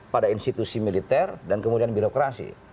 pada institusi militer dan kemudian birokrasi